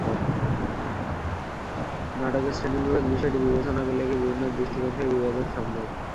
নাটকের শ্রেণিবিভাগ বিষয়টি বিবেচনা করলে একে বিভিন্ন দৃষ্টিকোণ থেকে বিভাজন সম্ভব।